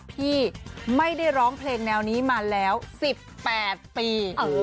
พี่ไม่ได้ร้องเพลงแนวนี้มาแล้ว๑๘ปี